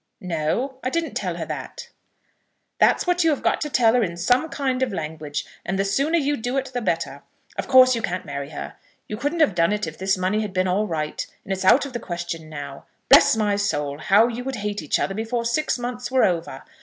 "No; I didn't tell her that." "That's what you have got to tell her in some kind of language, and the sooner you do it the better. Of course you can't marry her. You couldn't have done it if this money had been all right, and it's out of the question now. Bless my soul! how you would hate each other before six months were over.